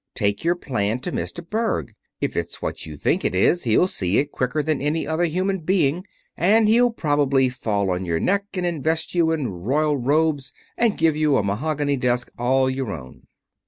Take your plan to Mr. Berg. If it's what you think it is he'll see it quicker than any other human being, and he'll probably fall on your neck and invest you in royal robes and give you a mahogany desk all your own."